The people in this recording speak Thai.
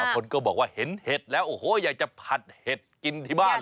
บางคนก็บอกว่าเห็นเห็ดแล้วอยากจะผัดเห็ดกินที่บ้านเลย